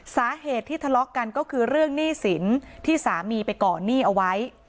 สาเหตุที่ทะเลาะกันก็คือเรื่องหนี้สินที่สามีไปก่อนหนี้เอาไว้